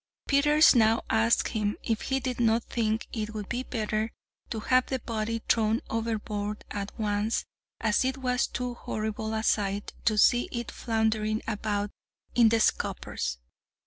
Peters now asked him if he did not think it would be better to have the body thrown overboard at once as it was too horrible a sight to see it floundering about in the scuppers.